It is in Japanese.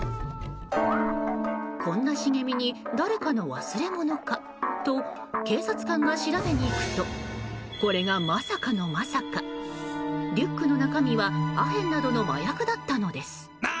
こんな茂みに誰かの忘れ物かと警察官が調べに行くとこれが、まさかのまさかリュックの中身はアヘンなどの麻薬だったのです。